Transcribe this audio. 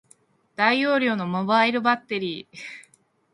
大容量のモバイルバッテリー